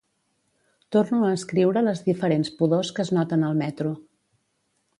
Torno a escriure les diferents pudors que es noten al metro.